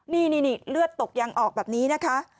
นี่เลือดตกยังออกแบบนี้นะคะ